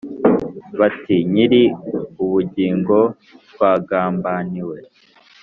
bati"nyiri ubugingo twagambaniwe